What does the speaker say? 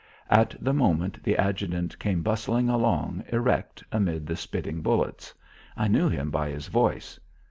At the moment the adjutant came bustling along erect amid the spitting bullets. I knew him by his voice.